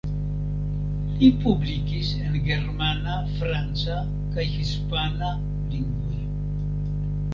Li publikis en germana, franca kaj hispana lingvoj.